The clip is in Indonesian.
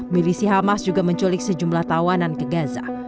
milisi hamas juga menculik sejumlah tawanan ke gaza